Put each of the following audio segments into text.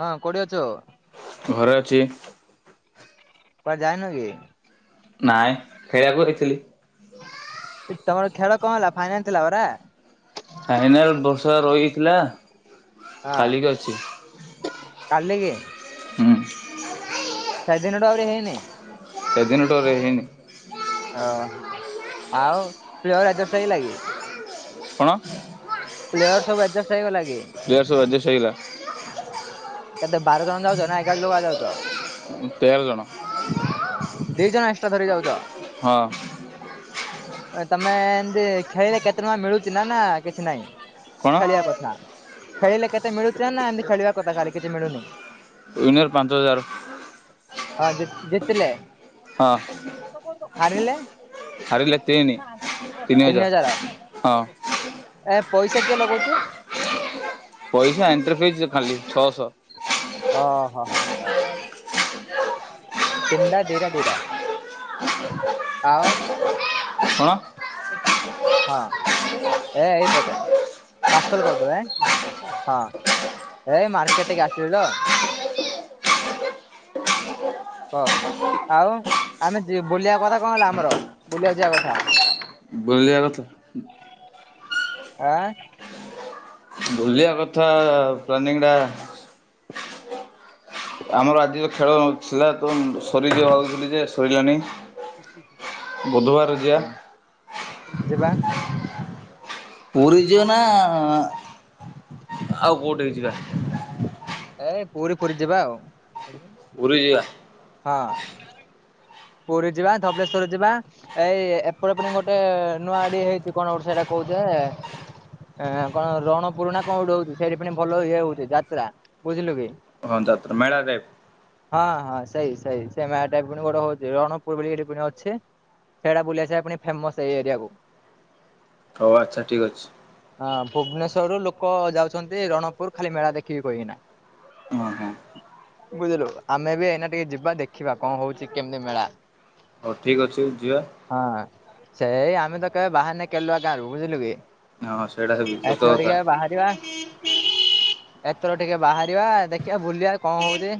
ହଁ କୋଉଠି ଅଛୁ। ଘରେ ଅଛି। କୁଆ ଯାଇନ କି? ନାଇଁ ଖେଳିଆକୁ ହେଇଥିଲି। କି ତମର ଖେଳ କଣ ହେଲା ଫାଇନାଲ ଥିଲା ଅରା। ଫାଇନାଲ ବର୍ଷା ରଇଆଇ ଥିଲା। ହଁ କାଲି କି? ହୁଁ। ସେ ଦିନ ଠୁ ଆଉରି ହେଇନି। ସେ ଦିନଠୁ ଆଉରି ହେଇନି। ଓହ ଆଉ ପ୍ରିୟ ରାଜ ସଇଲା କି? କଣ? ପ୍ଲେୟର ସବୁ ଆଡଜଷ୍ଟ ହେଇଗଲା କି? ପ୍ଲିଅର୍ ସବୁ ଆଡଜଷ୍ଟ୍ ହେଇଗଲା। କେତେ ବାର ଜଣ ଯାଉଚ ନା ଏଗାର ଲୋକ ଏକା ଯାଉଚ। ଉଁ ତେର ଜଣ। ଦି ଜଣ ଏକ୍ସଟ୍ରା ଧରି ଯାଉଚ। ହଁ। ତମେ ଏନ୍ତି ଖେଳିଲେ କେତେ ଟଙ୍କା ମିଳୁଚି ନା ନା କିଛି ନାଇଁ। କଣ ଖେଳିଆ କଥା ଖେଳିଲେ କେତେ ମିଳୁଚି ନା ଏନ୍ତି ଖେଳିଆ କଥା ଖାଲି କିଛି ମିଳୁନି। ଏଇନା ତ ପାଞ୍ଚ ହଜାର। ଆ ଜି ଜିତିଲେ। ହଁ। ହାରିଲେ ହାରିଲେ ତିନି ତିନି ହଜାର। ହଁ ଏ ପଇସା କିଏ ଲଗଉଚି। ପଇସା ଏଣ୍ଟ୍ରି ଫିଜ୍ ଖାଲି ଛଅଶ। ଅ ହ ହ। ତିନଡା ଦିଟା ଦିଟା ଆଉ କଣ? ହଁ ଏ ଏଇପଟେ। ପାର୍ସଲ କରିଦେବେ ହଁ ଏ ମାର୍କେଟ ଟିକେ ଆସଥିଲି ତ। କ ଆଉ ଆମେ ଯି ବୁଲିଆ କଥା କଣ ହେଲା ଆମର ବୁଲିଆକୁ ଯିଆ କଥା। ବୁଲିଆ କଥା ଆ ବୁଲିଆ କଥା ପ୍ଲାନିଂଟା [inaudible] ଆମର ଆଜିର ଖେଳ ଥିଲା ତୁମ ସରିଯିଅ ଭାବୁଥିଲି ଯେ ସରିଲାନି। ବୁଧବାର ଯିବା ହଁ ଯିବା। ପୁରୀ ଯିଅ ନା ଆଉ କୋଉଠି କି ଯିବା। ଏଇ ପୁରୀ ଫୁରୀ ଯିବା ଆଉ। ପୁରୀ ଯିବା। ହଁ। ପୁରୀ ଯିବା ଧବଳେଶ୍ୱର ଯିବା। ଏଇ ଏପଟେ ପୁଣି ଗୋଟେ ନୂଆ ଆଡି ହେଇଚି କଣ ଗୋଟେ ସେଇଟା କହୁଚେ? ଏଁ କଣ ରଣପୁରୁ ନା କଣ ଗୋଟେ ହଉଚି ସେଇଠି ପୁଣି ଭଲ ଇଏ ହଉଚି ଯାତ୍ରା, ବୁଝିଲୁ କି? ହଁ ଯାତ୍ରା, ମେଳା ଟାଇପ୍ ହଁ ହଁ ସେଇ ସେଇ ସେ ମେଳା ଟାଇପ ଗୋଟେ ହଉ ରଣପୁର ବୋଲି ଏଠି ପୁଣି ଅଛି। ସେଇଟା ବୁଲି ଆସିଆ ପୁଣି ଫେମସ ଏଇ ଏରିଆକୁୁ। ହଉ ଆଚ୍ଛା, ଠିକ୍ ଅଛି। ହଁ, ଭୁବନେଶ୍ୱର ରୁ ଲୋକ ଯାଉଛନ୍ତି ରଣପୁର ଖାଲି ମେଳା ଦେଖିବି କହିକିନା। ହଁ ହଁ ବୁଝିଲୁ, ଆମେ ବି ଏଇନା ଟିକେ ଯିବା ଦେଖିବା କଣ ହଉଚି କେମିତି ମେଳା? ହଉ ଠିକ୍ ଅଛି ଯିବା। ହଁ ସେଇ ଆମେ ତ କେବେ ବାହାରିନେ କେଲୁଆ ଗାଁରୁ, ବୁଝିଲୁ କି। ହଁ ସେଇଟା ହେବି ସତ ଏଥର କଥା। ଟିକେ ବାହା ଏଥର ଟିକେ ବାହାରିବା ଦେଖିବା ବୁଲିବା କଣ ହଉଚି।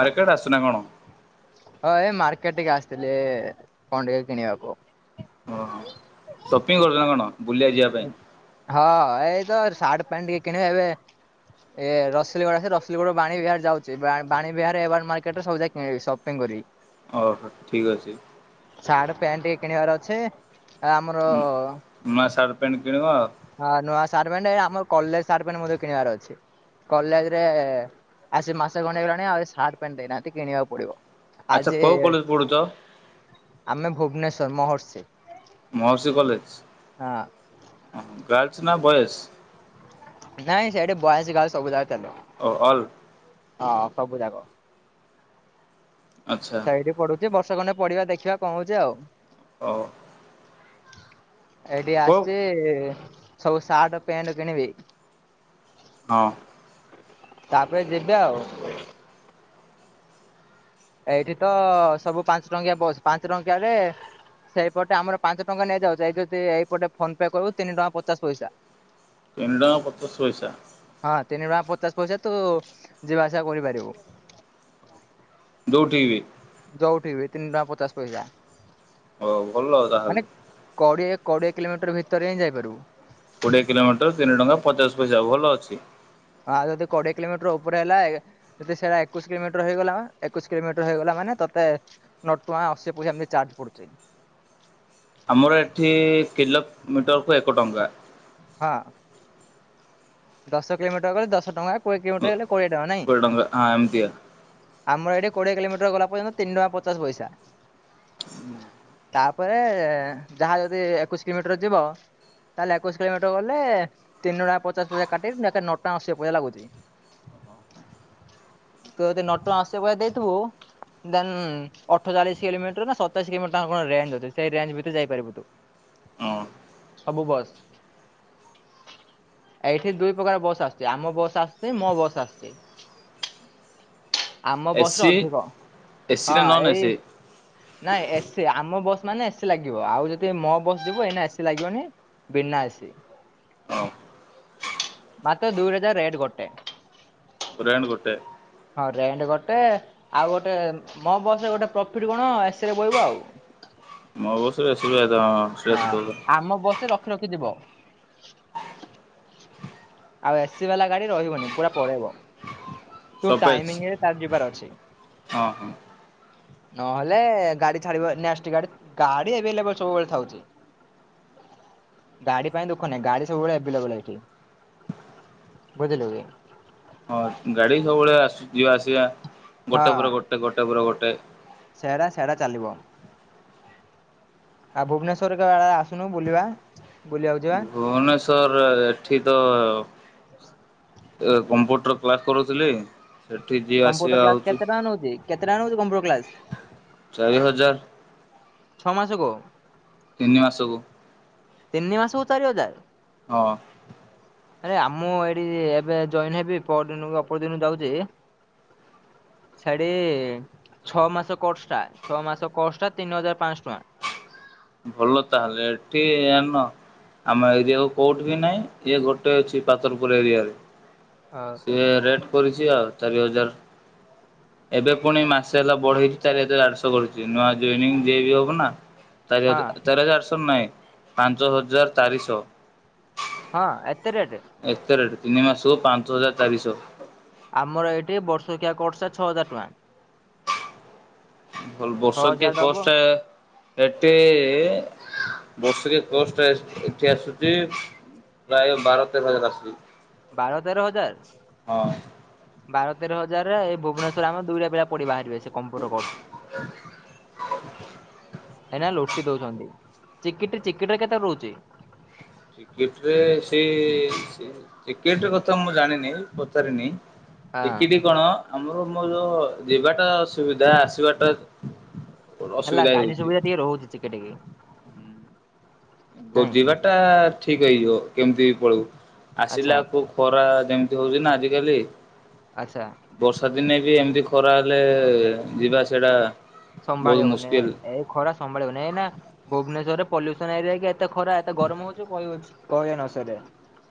ମରେକେଟ ଆସିଚୁ ନା କଣ? ହଁ ଏଇ ମାର୍କେଟ ଟିକେ ଆସିଥିଲି କଣ ଟିକେ କିଣିବାକୁ। ଓହୋ, ସପିଂ କରୁଚନା କଣ, ବୁଲିବା ଯିବା ପାଇଁ? ହଁ, ଏଇ ତ ସାର୍ଟ ପ୍ୟାଣ୍ଟ ଟିକେ କିଣିବା ଏବେ। ଏ ରସଲଗଡ ଆସ ରସଲଗଡ଼ରୁ ବାଣୀ ବିହାର ଯାଉଛି ବା ବିହାର ଏାର ମାର୍କେଟରେ ସବୁା କିଣ ସପିଙ୍ଗ କରିକି [unintelligible] ଓହୋ, ଠିକ୍ ଅଛି। ସାର୍ଟ, ପ୍ୟାଣ୍ଟ ଟିକେ କିଣିବାର ଅଛେ। ଏ ଆମର ନୂଆ ସାର୍ଟ, ପ୍ୟାଣ୍ଟ କିଣିବ? ହଁ, ନୂଆ ସାର୍ଟ, ପ୍ୟାଣ୍ଟ ଆମର କଲେଜ ସାର୍ଟ, ପେଣ୍ଟ ମଧ୍ୟ କିଣିବାର ଅଛି। କଲେଜରେ ଆସି ମାସେ ଖଣ୍ଡେ ହେଇଗଲାଣି ଆହୁରି ସାର୍ଟ, ପେଣ୍ଟ ଦେଇନାହାନ୍ତି କିଣିବାକୁ ପଡିବ। ଆଚ୍ଛା ଆଜି କୋଉ କଲେଜ ପଢୁଛ ଆମେ ଭୁବନେଶ୍ଵର ମହର୍ଷି ମଉର୍ଷି କଲେଜ, ହଁ ଗାର୍ଲସ ନା ବଏଜ? ନାଇଁ ସେଠି ବଏଜ ଗାଲସ ସବୁ ଯାଗ ଚାଲେ। ଓ ଅଲ୍? ହଁ, ସବୁଯାକ। ଆଚ୍ଛା ସେଇଠ ପଢୁ ବର୍ଷେ ଖଣ୍ଡେ ପଢ଼ିବା ଦେଖିବା କଣ ହଉଚି ଆଉ। ହଉ। ଏଇଠି କୋଉ ଆସଚି ସବୁ ସାର୍ଟ, ପ୍ୟାଣ୍ଟ କିଣିବି। ହଁ। ତାପରେ ଯିବି ଆଉ। ଏଇଠି ତ ସବୁ ପାଞ୍ଚ ଟଙ୍କିଆ ବସ୍। ପାଞ୍ଚ ଟଙ୍କିଆ ରେ ସେଇପଟେ ଆମର ପାଞ୍ଚ ଟଙ୍କା ନିଆଯାଉଚି। ଏଇ ଯଦି ଏଇପଟେ ଫୋନ ପେ କରିବୁ ତିନିଟଙ୍କା ପଚାଶ ପଇସା। ତିିନ ଟଙ୍କା ପଚାଶ ପଇସା? ହଁ, ତିନି ଟଙ୍କା ପଚାଶ ପଇସା ତୁ ଯିବା ଆସିବା କରିପାରିବୁ। ଯଉଠିବି? ଯଉଠିବି ତିନି ଟଙ୍କା ପଚାଶ ପଇସା। ହଉ, ଭଲ ତାହେଲେ। କଡ଼ିଏ କୋଡ଼ିଏ କିଲୋମିଟର ଭିତରେ ହିଁ ଯାଇପାରିବୁ। କୋଡ଼ିଏ କିଲୋମିଟର ତିନି ଟଙ୍କା ପଚାଶ ପଇସା ଭଲ ଅଛି। ହଁ, ଆଉ କୋଡ଼ିଏ କିିଲୋମିଟର ଉପରେ ହେଲା ଯଦି ସେଇଟା ଏକୋଇଶ କିଲୋମିଟର ହେଇଗଲା, ଏକୋଇଶ କିଲୋମିଟର ହେଇଗଲା ମାନେ ତତେ ନଟଙ୍କା ଅଶୀ ପଇସା ନେଇ ଚାର୍ଜ ପଡୁଛି। ଆମର ଏଠି କିଲଫ୍ ମିଟରକୁ ଏକ ଟଙ୍କା। ହଁ ଦଶ କିଲୋମିଟର ଗଲେ ଦଶ ଟଙ୍କା କୋଡିଏ କିଲୋମିଟର ହେଲେ କୋଡିଏ ଟଙ୍କା ନାଇଁ? କୋଡ଼ିଏ ଟଙ୍କା ହଁ ଏମିତିଆ ଆମର ଏଇଠି କୋଡିଏ କିଲୋମିଟର ଗଲା ପର୍ଯନ୍ତ ତିନି ଟଙ୍କା ପଚାଶ ପଇସା। ହୁ ତାପରେ ଯାହା ଯଦି ଏକୋଇଶି କିଲୋମିଟର ଯିବ ତାହେଲେ ଏକୋଇଶ କିଲୋମିଟର ଗଲେ ତିନୁଡା ପଚାଶ ପଇସା। କାଟି କି ନେକେ ନଅଟଙ୍କା ଆଶୀ ପଇସା ଲାଗୁଛି। ତୁ ଯଦି ନଟଙ୍କା ଅଶୀ ପଇସା ଦେଇଥିବୁ ଦେନ୍ ଅଠଚଳିଶ ଏଲିମିଟର ନା ସତେଇଶି କିମିଟର ତାଙ୍କ କଣ ରେଞ୍ଜ ଅଛି ସେଇରେଞ୍ଜ ଭିତରେ ଯାଇପାରିବୁ ତୁ। ହଁ ସବୁ ବସ ଏଠି ଦୁଇ ପ୍ରକାର ବସ୍ ଆସୁଚି ଆମ ବସ୍ ଆସୁଚି ମୋ ବସ୍ ଆସୁଛି। ଆମ ବସରେ ଏସି ଅଧିକ ଏସି ହଁ ନା ନନ୍ ଏଇ ଏସି ନାଇଁ ଏସି ଆମ ବସ୍ ମାନେ ଏସିି ଲାଗିବ ଆଉ ଯେତିକି ମୋ ବସ୍ ଯିବ ଏଇନେ ଏସିି ଲାଗିବନି। ବିନା ଏସି ହଁ ମାତ ଦୁଇ ହଜାର ରେଟ ଗୋଟେ ରେଣ୍ଟ ଗୋଟେ ହଁ ରେଣ୍ଟ ଗୋଟେ ଆଉ ଗୋଟେ ମୋ ବସରେ ଗୋଟେ ପ୍ରଫିଟ କଣ ଏସ ରେ ବଇବ ଆଉ। ମୋ ବସରେ ଏସି କେତ ଅଁ ହଁ ଆମ ବସ ରଖି ରଖି ଯିବ। ଆଉ ଏସି ବାଲା ଗାଡି ରହିବନି ପୁରା ପଳେଇବ ତୁ ସତେଜ ଟାଇମିଙ୍ଗିରେ ତାର ଯିବାର ଅଛି। ହଁ ହଁ ନହେଲେ ଗାଡି ଛାଡିବ ନେକ୍ସଟେ ଗାଡି ଗାଡି ଏଭେଲେବଲୁ ସବୁବେଳେ ଥାଉଛି। ଗାଡି ପାଇଁ ଦୁଃଖ ନାହିଁ ଗାଡି ସବୁବେଳେ ଆଭେଲେବଲୁ ଏଇଠି। ବୁଝିଲୁକି? ଗାଡି ସବୁବେଳେ ଆସୁଚି ଯିବା ଆସିବା ହଁ। ଗୋଟେ ପରେ ଗୋଟେ ଗୋଟେ ପରେ ଗୋଟେ ସେରା ସେରା ଚାଲିବ। ଆ ଭୁବନେଶ୍ଵର କା ଆସୁନୁ ବୁଲିବା ବୁଲିବାକୁ ଯିବା? ଭୁବନେଶ୍ୱର ଏଠି ତ ଏ କମ୍ପ୍ୟୁଟର କ୍ଲାସ କରୁଥିଲି ଏଠି ଯିଏ ଆସିବେ ଆଉଚୁ ଖାନ ହଉଚି। କେତେଟା ଆଳୁ କମ୍ପ୍ୟୁଟର୍ କ୍ଲାସ? ଚାରି ହଜାର ଛଅ ମାସ କୁ ତିନି ମାସକୁ ତିନି ମାସକୁ ଚାରି ହଜାର। ହଁ ହ [inaudible] ଆରେ ଆମୋ ଏରି ଏବେ ଜଏନ୍ ହେବି ପ ଦିନ ଅପର ଦିନ ଯାଉଛି ଛାଡି ଛଅ ମାସ କୋର୍ସଟା ଛଅ ମାସ କୋର୍ସ ଟା ତିନି ହଜାର ପାଶହ ଟଙ୍କା। ଭଲ ତାହେଲେ ଏଠି ଆନ। ଆମ ଏରିଆକୁ କୋଉଠି ବି ନାହିଁ ଇଏ ଗୋଟେ ଅଛି ପାତରପୁର ଏରିଆରେ। ଅ, ସିଏ ରେଟ କରିଛି ଆଉ ଚାରି ହଜାର ଏବେ ପୁଣି ମାସ ହେଲା ବଢ଼େଇଛି ଚାରି ହଜାର ଆଠଶହ କରୁଛି ନୂଆ ଜନିଂ ଯିଏ ବି ହବ ନା ହଁ ଚାରିହଜାର ଚାରିହଜାର ଆଠଶ ନାହିଁ ପାଞ୍ଚ ହଜାର ଚାରିଶହ। ହଁ ଏତେ ରେଟ? ଏତେ ରେଟ ତିନି ମାସକୁ ପାଞ୍ଚ ହଜାର ଚାରିଶହ। ଆମର ଏଇଠି ବର୍ଷକିଆ କୋରସ ଛଅ ହଜାର ଟଙ୍କା। ଭଲ ବର୍ଷ କିଆ ଛଅହଜାର ଦବ କୋର୍ସ ଟା ଏଠି ବର୍ଷକିଆ କୋର୍ସ ଟା ଏଠି ଆସୁଛି ପ୍ରାୟ ବାର ତର ହଜାର ଆଶୁଚି। ବାର ତେର ହଜାର। ବାର ତେର ହଜାରରେ ଏଇ ଭୁବନେଶ୍ଵର ଆମେ ଦୁଇଟା ପିଲା ପଢି ବାହାରିବେ ସେ କମ୍ପୁଟର କୋସର। କାଇକିନା ଲୋଟି ଦଉଛନ୍ତି ଚିକିଟି ଚିକିଟ ରେ କେତେ ରହୁଛି? ଚିକିଟି ରେ ସେ ସେ ଚିକିଟ କଥା ମୁଁ ଜାଣିନି ପଚାରିନି ହଁ ଚିକିଟି କଣ ଆମର ମ ଯୋଉ ଯିବାଟା ଅସୁବିଧା ଆସିବାଟା ହେଲା ଅସୁବିଧା ଗାଡି ହେଉଛି ସୁବିଧା ଟିକେ ରହୁଛି ଚିକିଟି କି। ଓ ଯିବା ଟା ଠିକ ହେଇଯିବ କେମିତି ପଳେଇବୁ ଆଚ୍ଛା ଆସିଲାକୁ ପରା ଯେମିତି ହଉଛି ନା ଆଜିକାଲି ଆଚ୍ଛା। ବର୍ଷା ଦିନେ ବି ଏମିତି ଖରା ହେଲେ ଯିବା ଆସିବାଟା ସମ୍ଭାଳିିହବନି ଏଇ ଖରା ସମ୍ଭାଳିହବନି ଏଇନା ଭୁବନେଶ୍ଵରରେ ପଲ୍ୟୁସନ [unintelligible] ଏତେ ଖରା ଏତେ ଗରମ ହଉଛି କହି କହିଲେନସରେ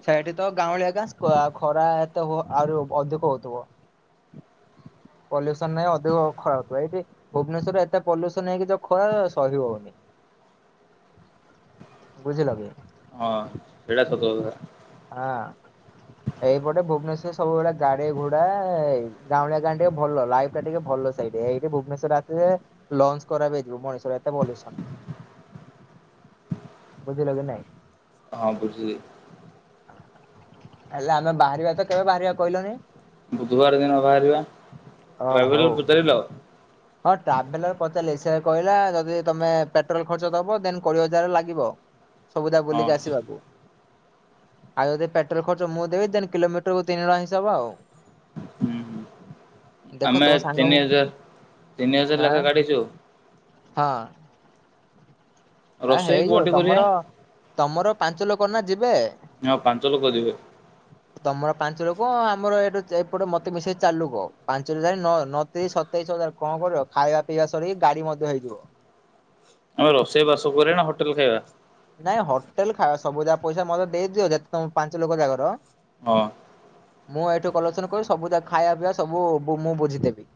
ସେଇଠି ତ ଗାଉଁଳିଆ ହେକା ଖ ଖରା ଏତେ ହୋ ଆହୁରି ଅଧିକ ହଉଥିବ। ପଲ୍ୟୁସନ ନହିଁ ଅଧିକ ଖରା ହଉିବ ଏଇଠି ଭୁବନେଶ୍ୱରରେ ଏତେ ପଲ୍ୟୁସନ ହେଇକି ଯ ଖରା ସହି ହଉନି। ବୁଝିଲକି। ହଁ ଏଟା ସତକଥା। ହଁ। ଏଇପଟେ ଭୁବନେଶ୍ଵରରେ ସବୁବେଳେ ଗାଡି ଘୋଡା ଗାଉଁଳିଆ ଗାଁ ଟିକେ ଭଲ ଲାଇଫ ଟା ଟିକେ ଭଲ ଥା ଏଇଠି ଭୁବନେଶ୍ୱର ଆଶିଲେ ଲଙ୍ଗସ ଖରାପ ହେଇଯିବ ମଣିଷର ଏତେ ଭଲପଲ୍ୟୁସନ। ବୁଝିଲକି ନାଇଁ? ହଁ ବୁଝିଲି। ହେଲେ ଆମେ ବାହାରିବା ତ କେବେ ବାହାରିବା କହିଲୁନି? ବୁଧବାର ଦିନ ବାହାରିବା ଅ ଟ୍ରାଭେଲ ହଉ। କୁ ପଚାରିଲ। ହଁ ଟ୍ରାଭେଲର ପଚାରିଲି ସେ କହିଲା ଯଦି ତମେ ପେଟ୍ରୋଲ ଖର୍ଚ୍ଚ ଦବ ଦେନ କୋଡିଏ ହଜାର ଲାଗିବ। ସବୁଯାକ ହଁ ବୁଲିକି ଆସିବାକୁ। ଆଉ ଯଦି ପଟ୍ରୋଲ ଖର୍ଚ୍ଚ ମୁଁ ଦେବି ଦେନ କିଲୋମିଟର କୁ ତିନି ହିସାବ ଆଉ। ହୁଁ ହୁଁ ଦେଖ ଆମେ ତମ ସାଙ୍ଗ ତିନି ମୁଁ ହଜାର ତିନି ହଜାର ଆଁ ଲେଖାଏ କାଢିଛୁ। ହଁ। ଆ ରୋଷେଇ ହେଇଯିବ କୋଉଠି କରିବା? ତମର ତମର ପାଞ୍ଚ ଲୋକ ନା ଯିବେ? ହଁ ପାଞ୍ଚ ଲୋକ ଯିବେ ତମର ପାଞ୍ଚ ଲୋକ ଆମର ଏଇଠୁ ଏପଟେ ମତେ ମିଶେଇ ଚାର ଲୋକ ପାଞ୍ଚ ଚାରି ନଅ ନଅ ତିରି ଶ ସତେଇଶ ହଜାର କଣ କରିବ ଖାଇବା ପିଇବା ସରିକି ଗାଡି ମଧ୍ୟ ହେଇଯିବ। ଆମେ ରୋଷେଇ ବାସ କରିବା ନା ହୋଟେଲ ଖାଇବା? ନାଇଁ ହୋଟେଲ ଖାଇବା ସବୁ ଯାହା ପଇସା ମତେ ଦେଇଦିଅ ଯେତ ତମ ପାଞ୍ଚ ଲୋକ ଜାକର ହଁ। ମୁଁ ଏଇଠୁ କଲୋକସନ କରୁଚି ସବୁ ଖାଇବା ପିଇବା ସବୁ ମୁଁ ବୁଝି ଦେବି।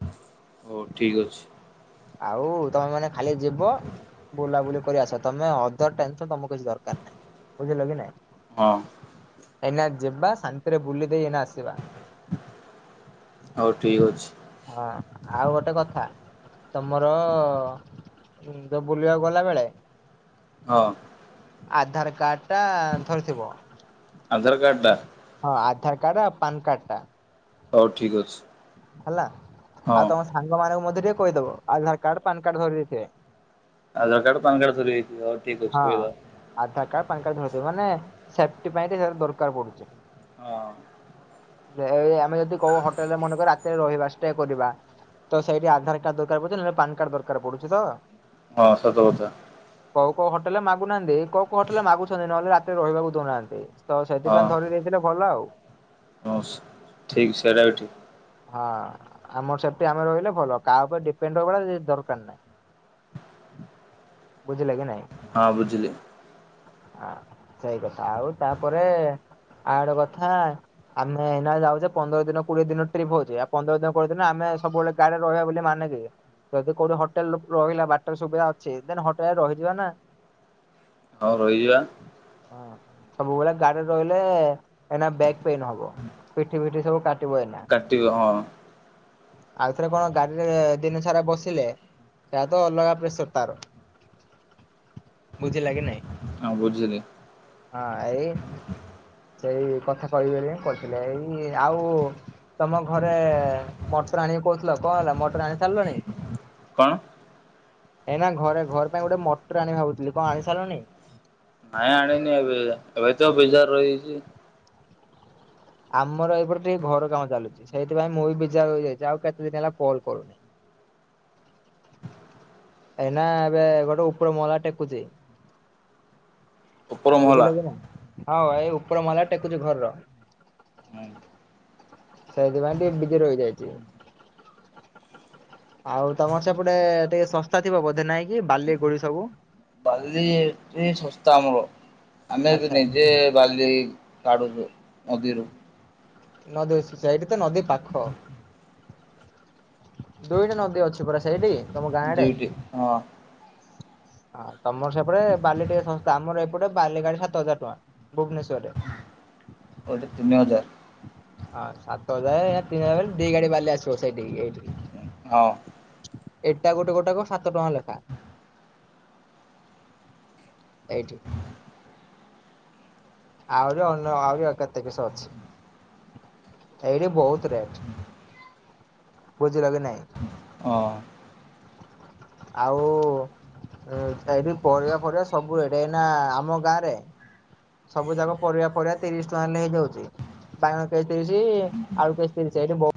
ହଉ ଠିକ୍ ଅଛି। ଆଉ ତମେ ମାନେ ଖାଲି ଯିବ ବୁଲାବୁଲି କରି ଆସ ତମେ ଅଧର ଟେନ୍ ତମ କିଛି ଦରକାର ନାହିଁ ବୁଝିଲ କି ନାଇଁ। ହଁ ଏନା ଯିବା ଶାନ୍ତିରେ ବୁଲି ଦେଇ ଏନାସ ହଉ ଠିକ ଅଛି। ହଁ ଆଉ ଗୋଟେ କଥା ତମର ତ ବୁଲିବାକୁ ଗଲା ବେଳେ। ହଁ ଆଧାର କାର୍ଡ ଟା ଧରିଥିବ। ଆଧାର କାର୍ଡଟା। ହଁ ଆଧାର କାର୍ଡ ଆଉ ପାନ କାର୍ଡ ଟା। ହଉ ଠିକ୍ ଅଛି। ହେଲା ହଁ। ଆଉ ତମ ସାଙ୍ଗ ମାନଙ୍କୁ ମଧ୍ୟ ଟିକେ କହିଦବ ଆଧାର କାର୍ଡ ପାନ କାର୍ଡ ଧରି ଦେଇଥିବେ। ଆଧାର୍ କାର୍ଡ ପାନ୍ କାର୍ଡ ଧରିଆଇଥିବେ ହ ହଁ ଆଧାର କାର୍ଡ ପାନ କାର୍ଡ ଧର୍ ଥବେ ମାନେ ସେଫଟି ପାଇଁ ଟିକେ ଦରକାର ପଡୁଛି। ହଁ ଏଇ ଆମେ ଯଦି କହୁ ହୋଟେଲରେ ମନେକ ରାତିରେ ରହିବାସ କରିବା ତ ସେଇଠି ଆଧାର କାର୍ଡ ଦରକାର ପଡୁଛି ନହେଲେ ପାନ କାର୍ଡ ଦରକାର ପଡୁଛି ତ। ହଁ ସତ କଥା। କୋଉ କଉ ହୋଟେଲ ମାଗୁନାନ୍ତି କଉ କଉ ହୋଟେଲରେ ମାଗୁଛନ୍ତି ନହେଲେ ରାତିରେ ରହିବାକୁ ଦଉନାହାନ୍ତି। ତ ସେଥିପାଇଁ ଧରି ଦେଇଥିଲେ ଭଲ ଆଉ। ହ ଠିକ ସେଟାଇଠିକ। ହଁ ଆମର ସେଫ୍ଟି ଆମେ ରହିଲେ ଭଲ କାହା ଉପରେ ଡିପେଣ୍ଡ ରହିବ ଦରକାର ନାହିଁ। ବୁଝିଲକି ନାଇଁ। ହଁ ବୁଝିଲି। ହ ସେଇ କଥା ଆଉ ତାପରେ ଆଡ କଥା ଆମେ ଏଇନା ଯାଉଛେ ପନ୍ଦର ଦିନ କୋଡିଏ ଦିନ ଟ୍ରିପ୍ ହଉଛି ଆ ପନ୍ଦର ଦିନ କଡିଏ ଦିନ ଆମେ ସବୁବେଳେ। ଗାରେ ରହିବା ବୋଲି ମାନେ କି? ଯଦି କୋଉଠି ହୋଟେଲ ରହିଲା ବାଟରେ ସୁବିଧା ଅଛି ଦେ ହୋଟେଲରେ ରହିଯିବା ନା। ହଁ ରହିଯିବା। ହଁ ସବୁବେଳେ ଗାଡିରେ ରହିଲେ ଏନା ବ୍ୟାକ୍ ପେନ ହବ ପିଠି ପିଠି ସବୁ କା କାଟିବ ହଁ ଆଉଥରେ କଣ ଗାଡିରେ ଦିନ ସାରା ବସିଲେ ସେ ତ ଅଲଗା ପ୍ରେସର ତାର ବୁଝ ଲାଗେ ନାଇଁ। ହଁ ବୁଝିଲି। ହଁ ଏଇ ସେଇ କଥା କହିବ କହିଥିଲେ ଏଇ ଆଉ ତମ ଘରେ ମଟର ଆଣିକି କହୁଥିଲ କଣ ହେଲା ମଟର ଆଣି ସାରିଲଣି। କଣ? ଏଇନା ଘରେ ଘର ପାଇଁ ଗୋଟେ ମଟର ଆଣି ଭାବୁଥିଲି କଣ ଆଣି ସାରିଲଣି? ନାଇଁ ଆଣିନି ଏବେ ଏବେ ତ ବେଜାର ରହିଛି। ଆମର ଏପରେ ଟିକେ ଘର କାମ ଚାଲୁଛି ସେଇଥିପାଇଁ ମୁଁ ବିଯାର ହେଇଯାଇଛି ଆଉ କେତେ ଦିନ ହେଲା କଲ୍ କରୁନି। ଏଇନା ଏବେ ଗୋଟେ ଉପର ମହଲା ଟେକୁଛି। ଉପର ମହଲା। ବୁଝିଲ କି ନା ହଁ ଏଇ ଉପର ମଲା ଟେକୁଛି ଘରର। ସେଇଥି ପାଇଁ ଟିକେ ବିଯି ରଇଯାଇଛି। ଆଉ ତମର ସେପଟେ ଟିକେ ଶସ୍ତା ଥିବ ବୋଧେ ନହିଁ କି ବାଲି ଗୋଳି ସବୁ। ବାଲି ଟ୍ରୀ ଶସ୍ତା ଆମର ଆମେ ବି ଆଚ୍ଛା ନିଜେ ବାଲି କାଢ଼ୁଛୁ ନଦୀରୁ। ନଦୀସଛ ଏଇଠି ତ ନଦୀ ପାଖ [unintelligible] ଦୁଇଟା ନଦୀ ଅଛି ପରା ସେଇଠି। ତମ ଗାଁ ଆଡେ? ଦୁଇଟି ହଁ। ହଁ ତମର ସେପଟେ ବାଲି ଟିକେ ଶସ୍ତା ଆମର ଏପଟେ ବାଲି ଗାଡି ସାତ ହଜାର ଟଙ୍କା ଭୁବନେଶ୍ଵର ରେ। ଏଠି ତିନି ହଜାରେ। ହଁ ସାତ ହଜାରଏଟା ତିନ ହଜାର ଦିଇ ଗାଡି ବାଲି ଆସିବସେଇଠି ଏଇଠିକି। ହଁ। ଇଟା ଗୋଟେ ଗୋଟାକ ସାତ ଟଙ୍କା ଲେଖା। ଏଇଠି। ଆହୁରି ଅନ ଆହୁରି କେତେ କିଶ ଅଛି ଏଇଠି ବହୁତ ରେଟ୍। ବୋଝିଲ କି ନାଇଁ ହଁ। ଆଉ। ଏଇଠି ପରିବା ଫରିବା ସବୁ ରେଟେ ଏନା ଆମ ଗାଁ ରେ। ସବୁ ଯାକ ପରିବା ଫରିବା ତିରିଶ ଟଙ୍କା ହେଲେ ହେଇଯାଉଛି। ବାଇଣ କେଯି ତିରିଶି ଆଳୁ କେଯି ତିରିଶି ଏଇଠି ବହୁତ୍।